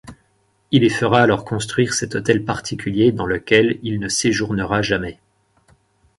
Il y fera alors construire cet hôtel particulier dans lequel, il ne séjournera jamais.